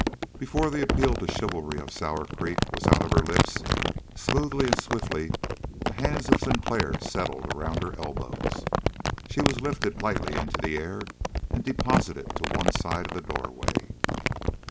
Before the appeal to the chivalry of Sour Creek was out of her lips, smoothly and swiftly the hands of Sinclair settled around her elbows. She was lifted lightly into the air and deposited to one side of the doorway.